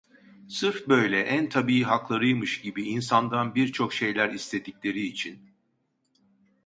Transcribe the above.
Sırf böyle en tabii haklarıymış gibi insandan birçok şeyler istedikleri için…